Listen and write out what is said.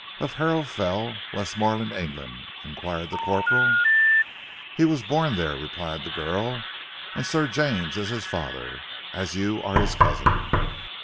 "Of Harrow Fell, Westmorland, England?" inquired the corporal. "He was born there," replied the girl, "and Sir James is his father, as you are his cousin."